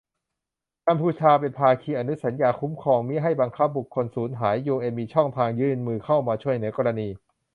กัมพูชาเป็นภาคีอนุสัญญาคุ้มครองมิให้บังคับบุคคลสูญหาย ยูเอ็นมีช่องทางยื่นมือเข้ามาช่วยเหลือกรณี